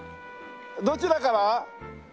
どちらから？